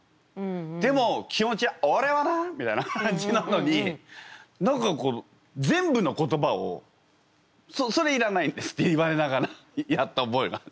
でも気持ちは「おれはな！」みたいな感じなのに何か全部の言葉を「それいらないです」って言われながらやった覚えがある。